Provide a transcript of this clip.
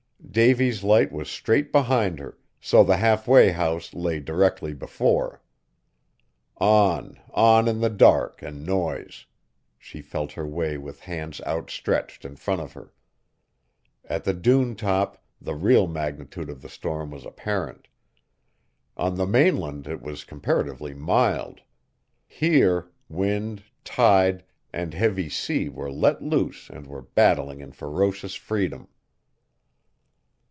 Davy's Light was straight behind her, so the halfway house lay directly before. On, on in the dark and noise! She felt her way with hands outstretched in front of her. At the dune top, the real magnitude of the storm was apparent. On the mainland it was comparatively mild. Here wind, tide, and heavy sea were let loose and were battling in ferocious freedom.